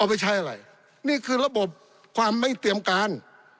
ไปใช้อะไรนี่คือระบบความไม่เตรียมการ